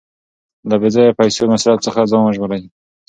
له بې ځایه پیسو مصرف څخه ځان وژغورئ.